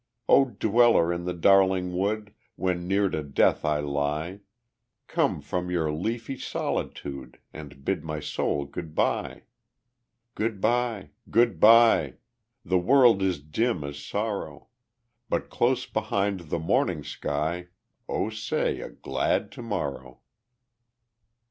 O dweller in the darling wood, When near to death I lie, Come from your leafy solitude, And bid my soul good by. Good by! good by! The world is dim as sorrow; But close beside the morning sky O say a glad Good morrow!